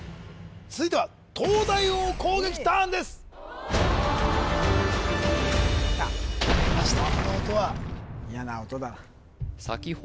続いては東大王攻撃ターンですきました